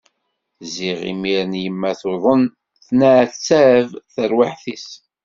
Ziɣ imiren yemma tuḍen, tenneɛtab terwiḥt-is.